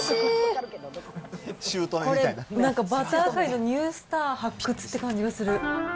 これ、なんかバター界のニュースター発掘って感じがする。